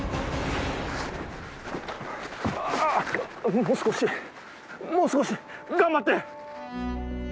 もう少しもう少し頑張って！